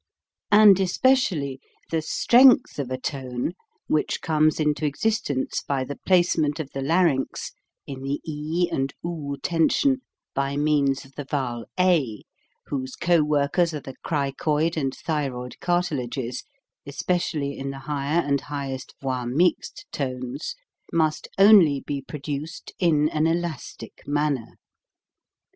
And especially the strength of a tone, which comes into existence by the placement of the larynx (in the e and do ten sion) by means of the vowel a, whose coworkers are the cricoid and thyroid cartilages (especially in the higher and highest voix mixte tones), must only be produced in an elastic manner.